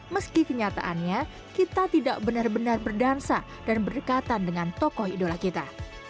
meski kenyataannya kita tidak benar benar berdansa dan berdekatan dengan tokoh idola kita